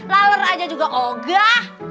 lalor aja juga kogah